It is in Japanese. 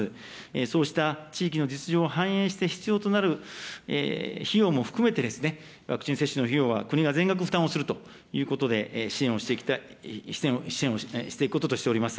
そうした地域の実状を反映して、必要となる費用も含めて、ワクチン接種の費用は国が全額負担をするということで、支援をしていくこととしております。